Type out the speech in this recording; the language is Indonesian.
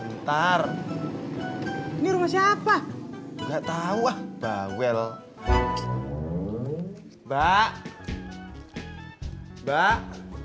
ntar tar ini lazim enggak tahu but well bak bak